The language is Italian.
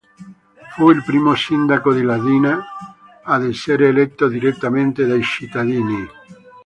Fu il primo Sindaco di Latina ad essere eletto direttamente dai cittadini.